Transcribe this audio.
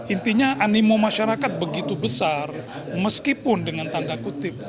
intinya animo masyarakat begitu besar meskipun dengan tanda kutip